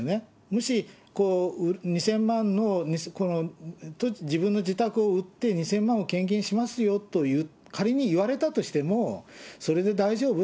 もし２０００万円の自分の自宅を売って、２０００万円を献金しますよと仮に言われたとしても、それで大丈夫？